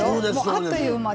あっという間。